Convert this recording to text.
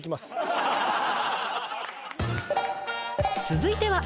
続いては。